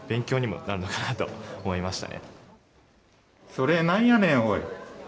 それ、なんやねん、おい。